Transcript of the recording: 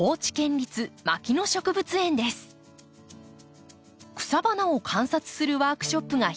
草花を観察するワークショップが開かれました。